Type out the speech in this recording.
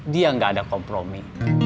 dia gak ada kompromi